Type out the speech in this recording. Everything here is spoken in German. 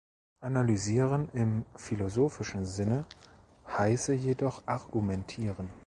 Analysieren im philosophischen Sinne heiße jedoch Argumentieren.